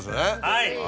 はい。